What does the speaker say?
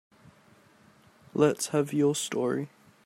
Let's have your story.